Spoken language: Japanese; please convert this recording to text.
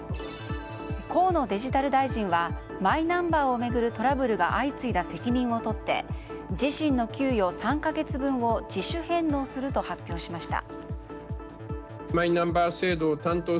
河野デジタル大臣はマイナンバーを巡るトラブルが相次いだ責任を取って自身の給与３か月分を自主返納すると発表しました。